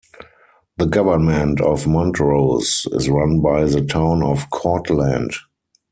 The government of Montrose is run by the Town of Cortlandt.